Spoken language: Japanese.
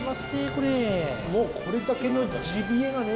これもうこれだけのジビエがね